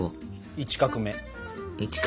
１画目。